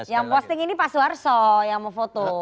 yang posting ini pak suharto yang memfoto